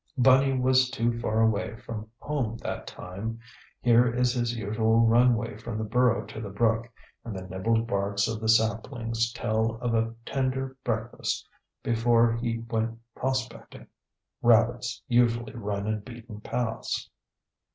Bunny was too far away from home that time. Here is his usual runway from the burrow to the brook, and the nibbled barks of the saplings tell of a tender breakfast before he went prospecting. Rabbits usually run in beaten paths.